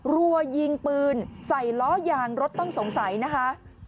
รัวยิงปืนใส่ล้อยางรถต้องสงสัยนะคะ